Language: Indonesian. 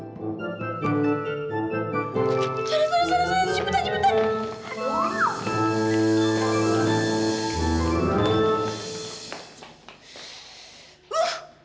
jalan jalan jalan